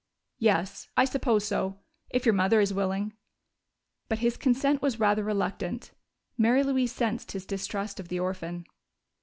"Yes, I suppose so if your mother is willing." But his consent was rather reluctant; Mary Louise sensed his distrust of the orphan.